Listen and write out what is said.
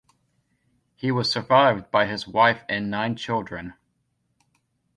He was survived by his wife and nine children.